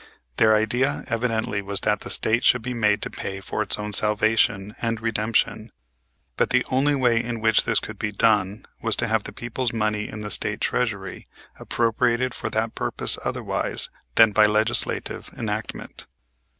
Their idea evidently was that the State should be made to pay for its own salvation and redemption, but the only way in which this could be done was to have the people's money in the State treasury appropriated for that purpose otherwise than by legislative enactment.